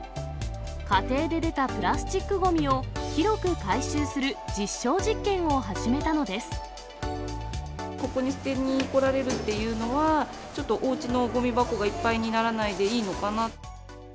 家庭で出たプラスチックごみを広く回収する実証実験を始めたのでここに捨てにこられるっていうのは、ちょっとおうちのごみ箱がいっぱいにならないでいいのかな。